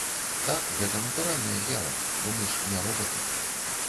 Так, гэта натуральная з'ява, бо мы ж не робаты.